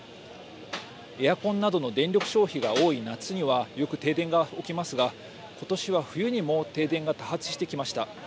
エアコンなどの電力消費が多い夏にはよく停電が起きますが今年は冬にも停電が多発してきました。